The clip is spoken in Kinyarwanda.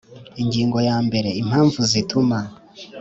Ingingo ya mbere Impamvu zituma